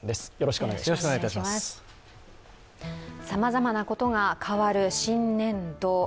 さまざまなことが変わる新年度。